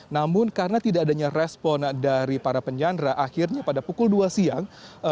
namun karena tidak adanya respon dari para penyandra akhirnya pada pukul dua siang